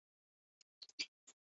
তারা সাত ভাই, তিন বোন।